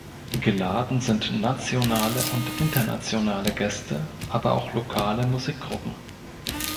Geladen sind nationale und internationale Gäste, aber auch lokale Musikgruppen.